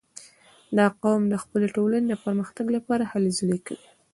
• دا قوم د خپلې ټولنې د پرمختګ لپاره هلې ځلې کوي.